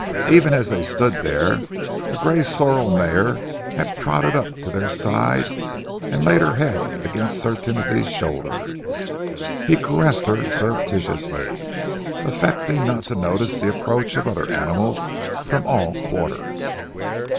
Even as they stood there, a grey sorrel mare had trotted up to their side and laid her head against Sir Timothy's shoulder. He caressed her surreptitiously, affecting not to notice the approach of other animals from all quarters.